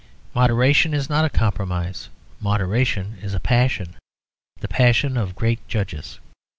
Moderation is not a compromise; moderation is a passion; the passion of great judges.